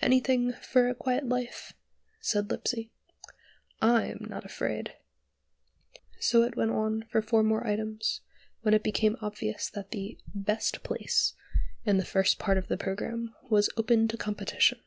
"Anything for a quiet life," said Lipsey. "I'm not afraid." So it went on for four more items, when it became obvious that the "best place," in the first part of the programme was open to competition.